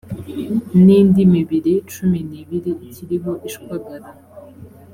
n indi mibiri cumi n ibiri ikiriho ishwagara